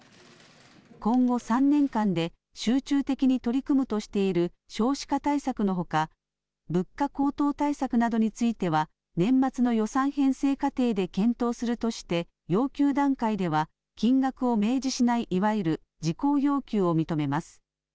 今後３年間で集中的に取り組むとしている少子化対策のほか物価高騰対策などについては年末の予算編成過程で検討するとして要求段階では金額を明示しない、いわゆる事項要求を認めます。